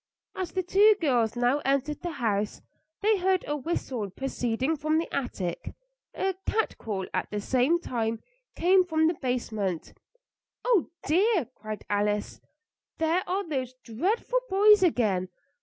As the two girls now entered the house they heard a whistle proceeding from the attic; a cat call at the same time came from the basement. "Oh, dear!" cried Alice, "there are those dreadful boys again.